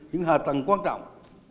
nhưng hạ tầng quan trọng